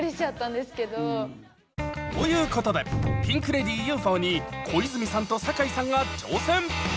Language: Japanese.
ということでピンク・レディー「ＵＦＯ」に小泉さんと坂井さんが挑戦！